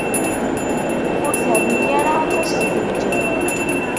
Ur terni ara aṭas tguǧ.